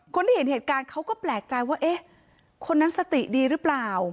คนที่เห็นเหตุการณ์เขาก็แปลกใจว่าเอ๊ะคนนั้นสติดีหรือเปล่า